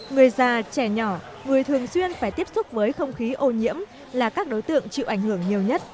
người già trẻ nhỏ người thường xuyên phải tiếp xúc với không khí ô nhiễm là các đối tượng chịu ảnh hưởng nhiều nhất